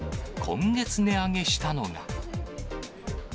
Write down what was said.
今月値上げしたのが。